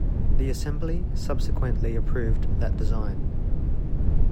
The assembly subsequently approved that design.